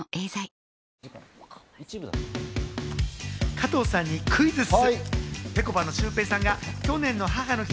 加藤さんにクイズッス。